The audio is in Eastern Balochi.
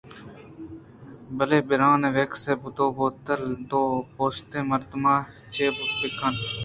بلئے برن ویکس ءِ دوتل ءُدوپوستیں مردم ءَچے بہ کنت